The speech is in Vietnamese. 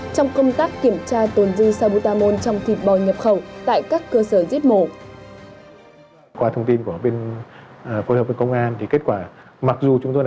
trong công tác kiểm tra tồn dư sabutamol trong thịt bò nhập khẩu tại các cơ sở giết mổ